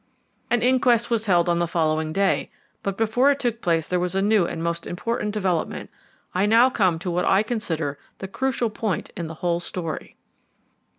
An inquest was held on the following day, but before it took place there was a new and most important development. I now come to what I consider the crucial point in the whole story.